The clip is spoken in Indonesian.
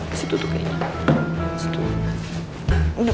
di situ tuh kayaknya